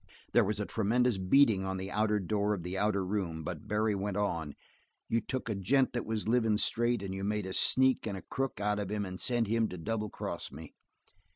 There was a tremendous beating on the outer door of the other room, but Barry went on: "You took a gent that was livin' straight and you made a sneak and a crook out of him and sent him to double cross me.